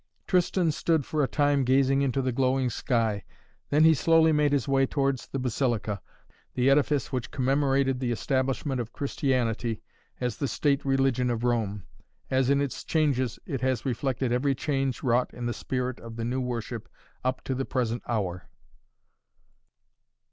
Tristan stood for a time gazing into the glowing sky, then he slowly made his way towards the Basilica, the edifice which commemorated the establishment of Christianity as the state religion of Rome, as in its changes it has reflected every change wrought in the spirit of the new worship up to the present hour.